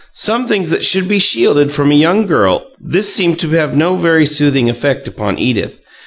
Some things that should be shielded from a young girl " This seemed to have no very soothing effect upon Edith.